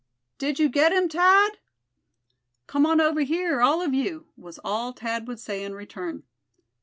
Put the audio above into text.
"Did you get him, Thad?" "Come on over here, all of you," was all Thad would say in return.